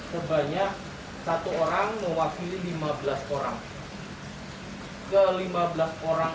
sebanyak satu orang mewakili lima belas orang